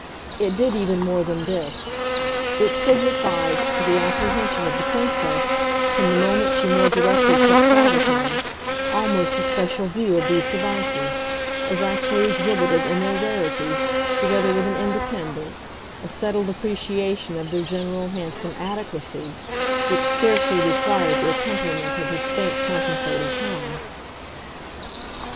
It did even more than this; it signified, to the apprehension of the Princess, from the moment she more directly took thought of him, almost a special view of these devices, as actually exhibited in their rarity, together with an independent, a settled appreciation of their general handsome adequacy, which scarcely required the accompaniment of his faint contemplative hum.